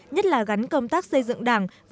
nhất là gắn công tác xây dựng đảng